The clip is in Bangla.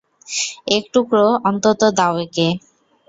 এক টুকরো অন্তত দাও একে।